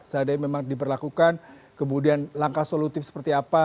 seadanya memang diperlakukan kemudian langkah solutif seperti apa